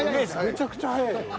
めちゃくちゃ速いよ俺。